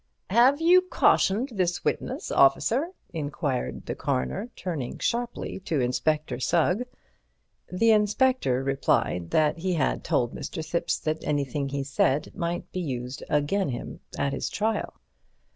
"Have you cautioned this witness, officer?" inquired the Coroner, turning sharply to Inspector Sugg. The Inspector replied that he had told Mr. Thipps that anything he said might be used again' him at his trial.